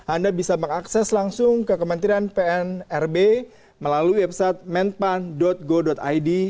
anda bisa mengakses langsung ke kementerian pnrb melalui website menpan go id